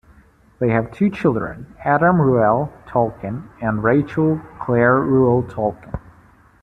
They have two children, Adam Reuel Tolkien and Rachel Clare Reuel Tolkien.